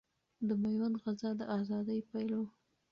د ميوند غزا د اذادۍ پيل ؤ